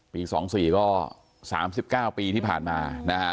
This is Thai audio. ปี๒๔ก็๓๙ปีที่ผ่านมา